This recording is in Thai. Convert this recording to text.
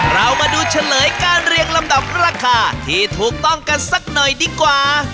เรามาดูเฉลยการเรียงลำดับราคาที่ถูกต้องกันสักหน่อยดีกว่า